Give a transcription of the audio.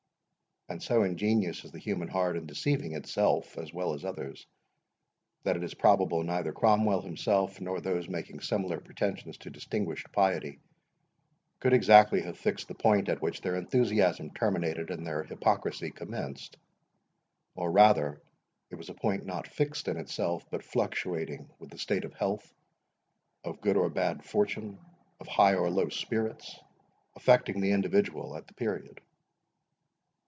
And so ingenious is the human heart in deceiving itself as well as others, that it is probable neither Cromwell himself, nor those making similar pretensions to distinguished piety, could exactly have fixed the point at which their enthusiasm terminated and their hypocrisy commenced; or rather, it was a point not fixed in itself, but fluctuating with the state of health, of good or bad fortune, of high or low spirits, affecting the individual at the period.